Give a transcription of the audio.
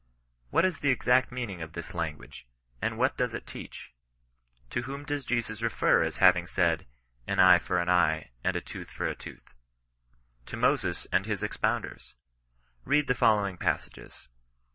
What is the exact meaning of this language, and what does it teach ? To whom does Jesus refer as having said, ^' an eye for an eye, and a tooth for a tooth?" To Moses and his expounders. Head the following passages.